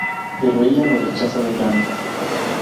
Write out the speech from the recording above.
Pero ella lo rechaza de plano.